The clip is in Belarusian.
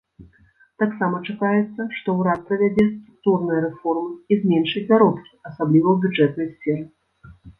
Таксама чакаецца, што ўрад правядзе структурныя рэформы і зменшыць заробкі, асабліва ў бюджэтнай сферы.